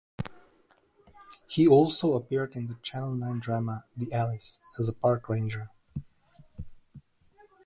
He also appeared in the Channel Nine drama "The Alice", as a park ranger.